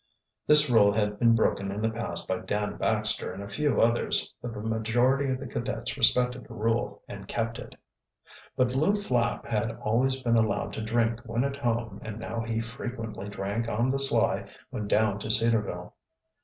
This rule had been broken in the past by Dan Baxter and a few others, but the majority of the cadets respected the rule and kept it. But Lew Flapp had always been allowed to drink when at home and now he frequently drank on the sly when down to Cedarville.